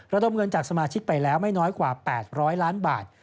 ระดมเงินจากสมาชิกไปแล้วไม่น้อยกว่า๘๐๐ล้านบาท